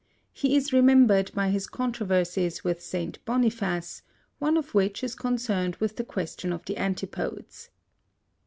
He is remembered by his controversies with St. Boniface, one of which is concerned with the question of the Antipodes.